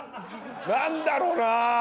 何だろな？